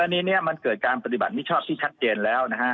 อันนี้มันเกิดการปฏิบัติมิชอบที่ชัดเจนแล้วนะฮะ